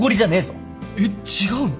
えっ違うの？